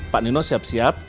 pak nino siap siap